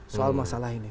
soal masalah ini